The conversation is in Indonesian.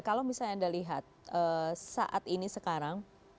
kalau misalnya anda lihat saat ini sekarang